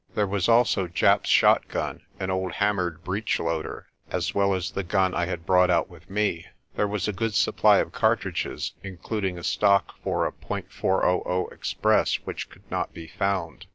There was also Japp's shotgun, an old hammered breechloader, as well as the gun I had brought out with me. There was a good supply of cartridges, including a stock for a .400 express which could not be found.